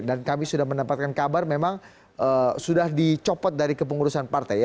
dan kami sudah mendapatkan kabar memang sudah dicopot dari kepengurusan partai